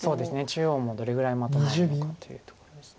中央もどれぐらいまとまるのかというところです。